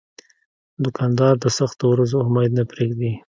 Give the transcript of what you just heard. دوکاندار د سختو ورځو امید نه پرېږدي.